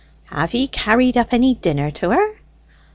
"Have ye carried up any dinner to her?"